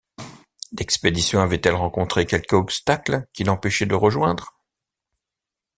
L’expédition avait-elle rencontré quelque obstacle qui l’empêchait de rejoindre?